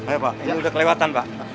ayo pak ini udah kelewatan pak